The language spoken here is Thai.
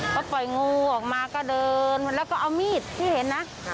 เขาปล่อยงูออกมาก็เดินแล้วก็เอามีดที่เห็นนะ